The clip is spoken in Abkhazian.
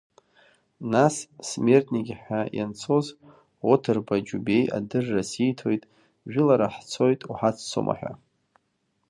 Нас смертники ҳәа ианцоз Оҭырба Џьубеи адырра сиҭоит жәылара ҳцоит уҳаццома ҳәа.